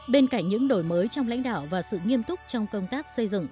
bên cạnh những đổi mới trong lãnh đạo và sự nghiêm túc trong công tác xây dựng